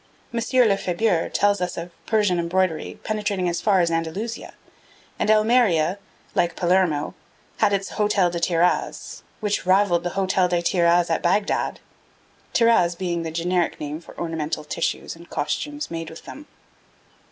M. Lefebure tells us of Persian embroidery penetrating as far as Andalusia; and Almeria, like Palermo, had its Hotel des Tiraz, which rivalled the Hotel des Tiraz at Bagdad, tiraz being the generic name for ornamental tissues and costumes made with them.